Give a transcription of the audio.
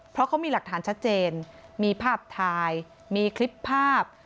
เพราะเขามีหลักฐานชัดเจนมีภาพถ่ายมีคลิปภาพ